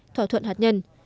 thỏa thuận hạt nhân